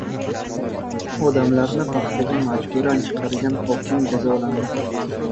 Odamlarni paxtaga majburan chiqargan hokim jazolandi